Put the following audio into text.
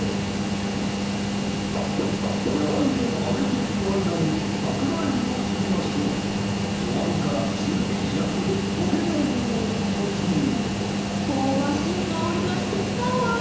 分かりましたじゃがいもを揚げている間に桜えびをいりましょう弱火から中火弱で焦げないようにご注意を香ばしい香りがしてきたわ！